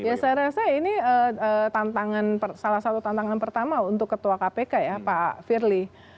ya saya rasa ini salah satu tantangan pertama untuk ketua kpk ya pak firly